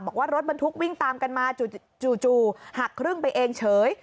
บอกว่ารถบรรทุกวิ่งตามกันมาจู่หักครึ่งไปเองเฉย